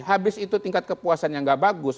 habis itu tingkat kepuasan yang gak bagus